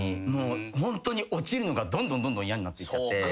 ホントに落ちるのがどんどん嫌になってっちゃって。